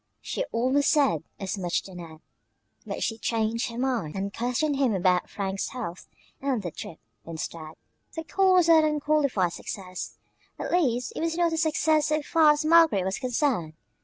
She almost said as much to Ned, but she changed her mind and questioned him about Frank's health and their trip, instead. The call was not an unqualified success at least it was not a success so far as Margaret was concerned.